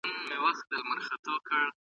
ټولنپوهان د ټولنیزو طرحو په برخه کې کار کوي.